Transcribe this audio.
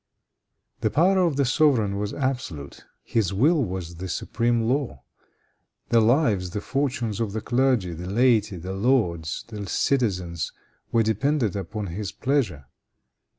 The power of the sovereign was absolute. His will was the supreme law. The lives, the fortunes of the clergy, the laity, the lords, the citizens were dependent upon his pleasure.